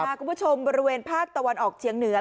คุณผู้ชมบริเวณภาคตะวันออกเชียงเหนือ